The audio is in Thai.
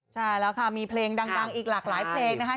ใช่แล้วค่ะมีเพลงดังอีกหลากหลายเพลงนะคะ